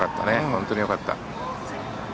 本当によかった。